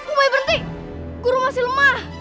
umai berhenti guru masih lemah